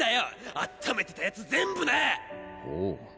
あっためてたやつ全部な！ホゥ